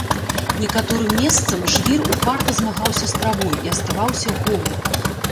Некаторым месцам жвір упарта змагаўся з травой і аставаўся голы.